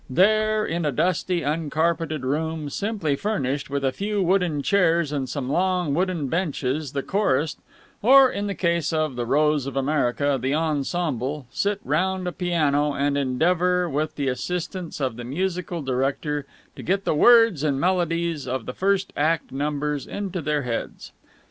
There, in a dusty, uncarpeted room, simply furnished with a few wooden chairs and some long wooden benches, the chorus or, in the case of "The Rose of America," the ensemble sit round a piano and endeavour, with the assistance of the musical director, to get the words and melodies of the first act numbers into their heads.